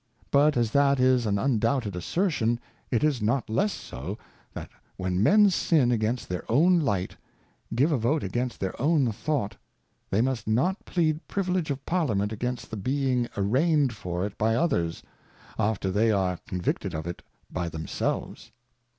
But as that is an undoubted Assertion, it is not less so. That when Men Sin against their own Light, give a Vote against their own Thought, they must not plead Privilege of Parliament against the being arraigned for it by others, after they are Con victed of it by themselves.